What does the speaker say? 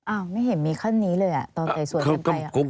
อ้าวไม่เห็นมีขั้นนี้เลยอ่ะตอนใดสุด